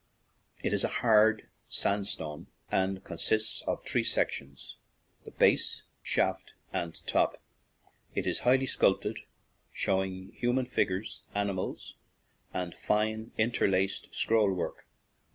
It is of hard sandstone and consists of three sections, the base, shaft, and top. It is highly sculptured, showing human figures, animals, and fine, interlaced scroll work.